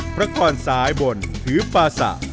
พระกรซ้ายบนถือปาสะ